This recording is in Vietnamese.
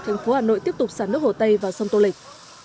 thành phố hà nội tiếp tục xả nước hồ tây vào sông tô lịch